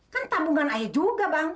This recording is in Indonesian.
kan tabungan air juga bang